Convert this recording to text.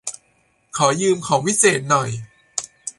ขอยืมของวิเศษหน่อย